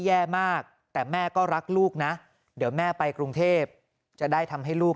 แย่มากแต่แม่ก็รักลูกนะเดี๋ยวแม่ไปกรุงเทพจะได้ทำให้ลูก